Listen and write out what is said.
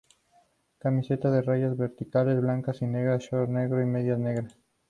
Camiseta a rayas verticales blancas y negras, short negro y medias negras.